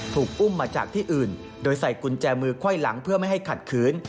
อุ้มมาจากที่อื่นโดยใส่กุญแจมือไขว้หลังเพื่อไม่ให้ขัดขืน